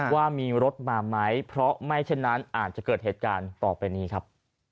ว่ามีรถมาไหมเพราะไม่เช่นนั้นอาจจะเกิดเหตุการณ์ต่อไปนี้ครับ